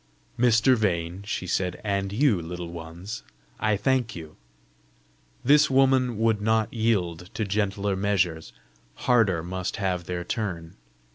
"Mr. Vane," she said, "and you, Little Ones, I thank you! This woman would not yield to gentler measures; harder must have their turn.